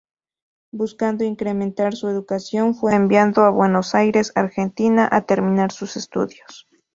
Buscando incrementar su educación fue enviado a Buenos Aires, Argentina, a terminar sus estudios.